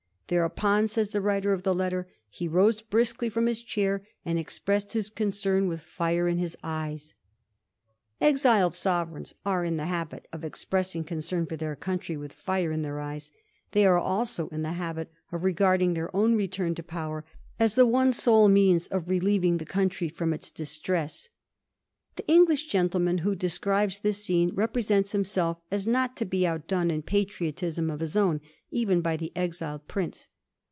* Thereupon,' says the writer of the letter, *he rose briskly fi'om his chair, and expressed his concern with fire in his eyes/ Exiled sovereigns are in the habit of expressing concern for their country with fire in their eyes ; they are also in the habit of regarding their own return to power as the one sole means of relieving the country fi om its distress. The English gentleman who de scribes this scene represents himself as not to be out done in patriotism of his own even by the exiled Prince.